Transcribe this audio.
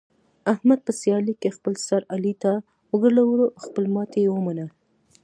احمد په سیالۍ کې خپل سر علي ته وګرولو، خپله ماتې یې و منله.